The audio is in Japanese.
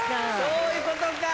そういうことか。